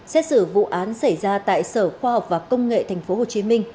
xét xử vụ án xảy ra tại sở khoa học và công nghệ tp hcm